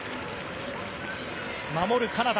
守るカナダ。